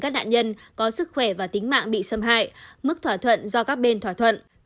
các nạn nhân có sức khỏe và tính mạng bị xâm hại mức thỏa thuận do các bên thỏa thuận